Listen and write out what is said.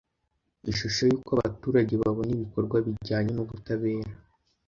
ishusho y’uko abaturage babona ibikorwa bijyanye n’ubutabera